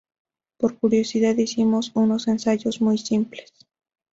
Por curiosidad hicimos unos ensayos muy simples.